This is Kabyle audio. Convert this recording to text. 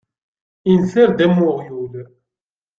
Inser-d am uɣyul.